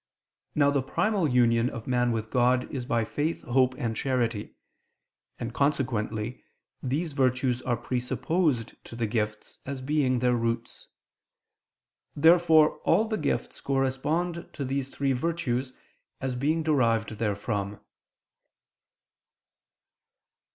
Now the primal union of man with God is by faith, hope and charity: and, consequently, these virtues are presupposed to the gifts, as being their roots. Therefore all the gifts correspond to these three virtues, as being derived therefrom.